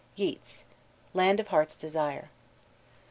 YEATS: _Land of Heart's Desire.